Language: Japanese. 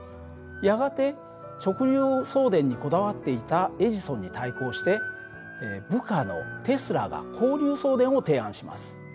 やがて直流送電にこだわっていたエジソンに対抗して部下のテスラが交流送電を提案します。